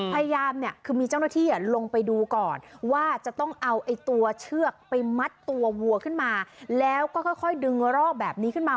พยายามเนี่ยคือมีเจ้าหน้าที่ลงไปดูก่อนว่าจะต้องเอาไอ้ตัวเชือกไปมัดตัววัวขึ้นมาแล้วก็ค่อยดึงรอกแบบนี้ขึ้นมา